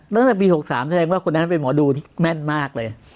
ตั้งแต่ปี๖๓แสดงว่าคนนั้นเป็นหมอดูที่แม่นมากเลย